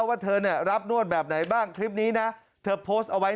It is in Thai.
ว่าเธอเนี่ยรับนวดแบบไหนบ้างคลิปนี้นะเธอโพสต์เอาไว้